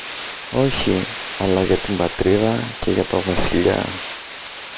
Όχι, αλλά για την Πατρίδα και για το Βασιλιά!